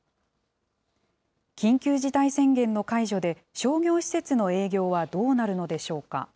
緊急事態宣言の解除で、商業施設の営業はどうなるのでしょうか。